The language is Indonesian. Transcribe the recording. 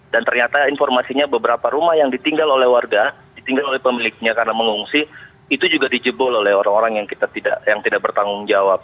dan ternyata informasinya beberapa rumah yang ditinggal oleh warga ditinggal oleh pemiliknya karena mengungsi itu juga dijebol oleh orang orang yang tidak bertanggung jawab